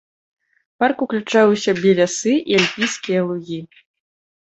Парк уключае ў сябе лясы і альпійскія лугі.